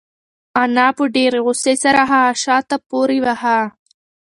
انا په ډېرې غوسې سره هغه شاته پورې واهه.